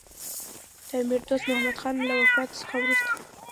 د امیر دوست محمدخان له وفات څخه وروسته.